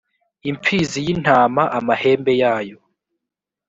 imfizi y intama amahembe yayo